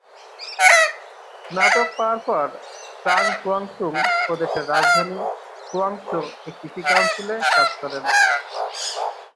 স্নাতক পাওয়ার পর চাং কুয়াংতুং প্রদেশের রাজধানী কুয়াংচৌ-এ কৃষি কাউন্সিলে কাজ করেন।